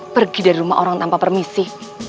pergi dari rumah orang tanpa permisi